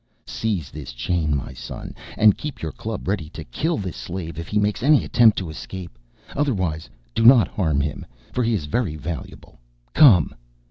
"Seize this chain my son and keep your club ready to kill this slave if he makes any attempt to escape. Otherwise do not harm him, for he is very valuable. Come."